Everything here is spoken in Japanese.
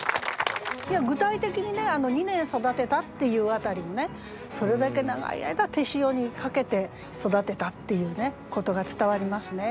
具体的にね「二年育てた」っていう辺りもねそれだけ長い間手塩にかけて育てたっていうことが伝わりますね。